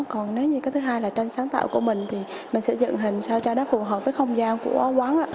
còn nếu như cái thứ hai là tranh sáng tạo của mình thì mình sẽ dựng hình sao cho nó phù hợp với không gian của quán